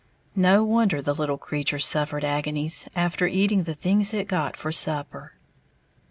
No wonder the little creature suffered agonies after eating the things it got for supper.